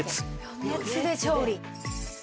余熱で調理。